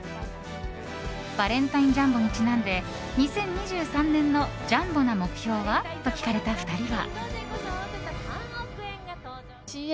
バレンタインジャンボにちなんで２０２３年のジャンボな目標は？と聞かれた２人は。